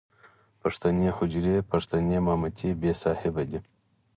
پښتنې حجرې، پښتنې مامتې بې صاحبه دي.